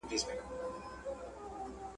دېوالونه هم غوږونه لري ..